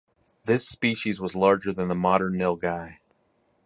This species was larger than the modern nilgai.